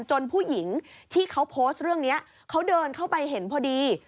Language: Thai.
ผู้หญิงที่เขาโพสต์เรื่องนี้เขาเดินเข้าไปเห็นพอดี